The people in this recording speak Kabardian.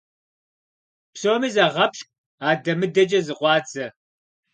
Псоми загъэпщкӀу, адэ-мыдэкӀэ зыкъуадзэ.